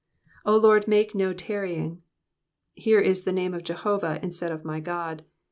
*'0 Lord, make no tarrying.''^ Here is the name of *' Jehovah" instead of my God."